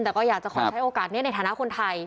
แต่ก็อยากจะขอใช้โอกาสนี้ในฐานะคนไทย